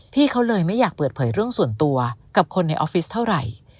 พี่เขาเลยไม่อยากเปิดเผยเรื่องส่วนตัวกับคนในออฟฟิศเท่าไหร่